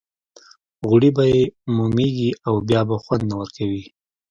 غوړي به یې مومېږي او بیا به خوند نه ورکوي.